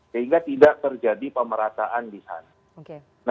sehingga tidak terjadi pemerataan di sana